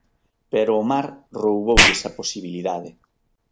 Pero o mar rouboulles a posibilidade.